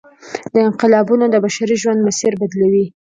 دا انقلابونه د بشري ژوند مسیر بدلوي.